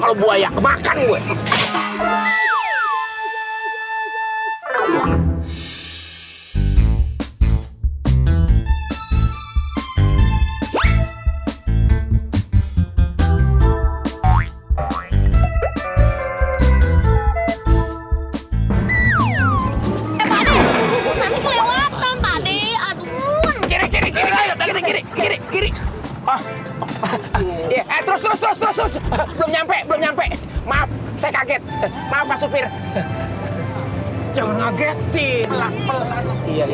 aduh takjian ngeliat takjian ngeliat